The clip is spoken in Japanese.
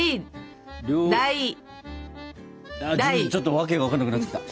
ちょっと訳が分かんなくなってきた。